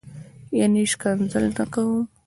یعنی شکنځل نه کوه